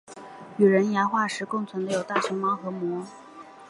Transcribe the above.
与人牙化石共存的有大熊猫和貘。